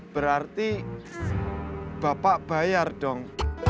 berarti bapak bayar dong